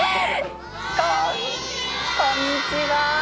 こんにちは。